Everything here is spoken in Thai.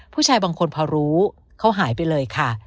ผู้ชายบางคนพอรู้เขาหายไปเลยค่ะ